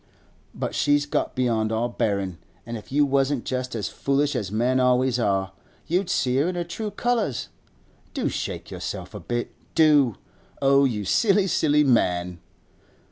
But she's got beyond all bearin'; and if you wasn't just as foolish as men always are, you'd see her in her true colours. Do shake yourself a bit, do! Oh, you silly, silly man!